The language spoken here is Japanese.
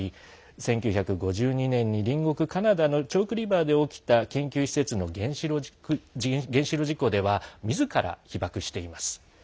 １９５２年に隣国カナダで起きた研究施設の原子炉事故ではみずから被ばくしています。